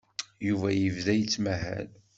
Yuba yebda yettmahal.